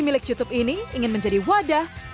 acara komunitas hingga pameran video digital